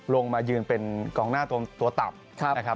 ลงมายืนเป็นกองหน้าตัวตัวต่ำ